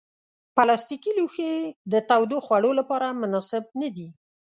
پلاستيکي لوښي د تودو خوړو لپاره مناسب نه دي.